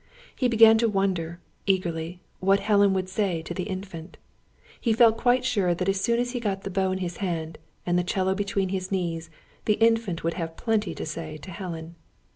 He began to wonder, eagerly, what Helen would say to the Infant. He felt quite sure that as soon as he got the bow in his hand, and the 'cello between his knees, the Infant would have plenty to say to Helen.